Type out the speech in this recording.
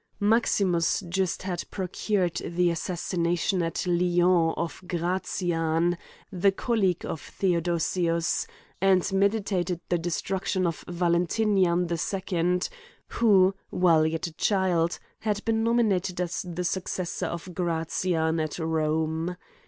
Maximus, just had procured the assassination, at Lyons, of Gratian, the colleague of Theodosius; and meditated the destruction of Valentinian the 2d. who, while yet a child had been nominated as the successor of Gratian at Rome.